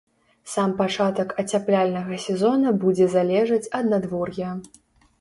Сам пачатак ацяпляльнага сезона будзе залежаць ад надвор'я.